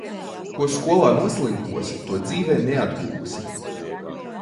Ko skolā noslinkosi, to dzīvē neatgūsi.